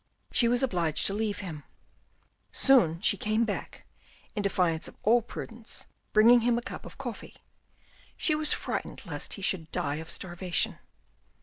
She was obliged to leave him. Soon she came back, in defiance of all prudence, bringing him a cup of coffee. She was frightened lest he should die of starvation.